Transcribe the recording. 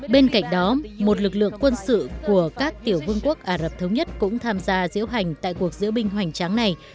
bên cạnh đó một lực lượng quân sự của các tiểu vương quốc ả rập thống nhất cũng tham gia diễu hành tại cuộc diễu binh hoành tráng này